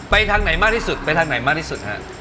ทางไหนมากที่สุดไปทางไหนมากที่สุดฮะ